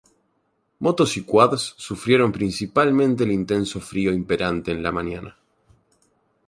Motos y Quads sufrieron principalmente el intenso frío imperante en la mañana.